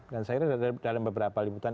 dan saya kira dalam beberapa liputan